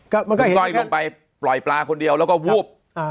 ก็ก้อยลงไปปล่อยปลาคนเดียวแล้วก็วูบ